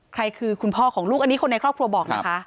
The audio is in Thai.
ใครคือคุณพ่อของลูกอันนี้คนในครอบครัวบอกนะคะ